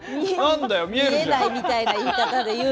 見えないみたいな言い方で言うな。